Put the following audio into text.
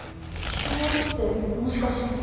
指揮棒ってもしかして。